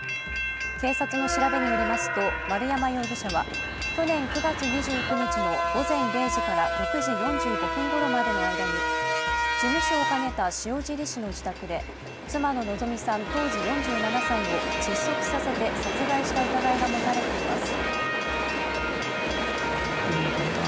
警察の調べによりますと丸山容疑者は去年９月２１日の午前０時から６時４５分ごろまでの間に事務所を兼ねた塩尻市の自宅で妻の希美さん当時４７歳を窒息させて殺害した疑いが持たれています。